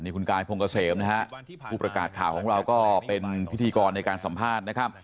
คุณกายพงกาเสมผู้ประกาศข่าวเราก็เป็นพิธีกรรมในการสัมภาษณ์